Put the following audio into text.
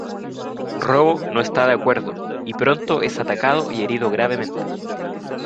Robo no está de acuerdo, y pronto es atacado y herido gravemente.